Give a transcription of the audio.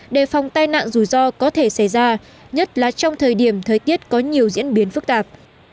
đề phòng tai nạn rủi ro có thể xảy ra nhất là trong thời điểm thời tiết có nhiều diễn biến phức tạp